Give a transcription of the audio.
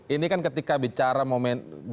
ini kan ketika bicara momen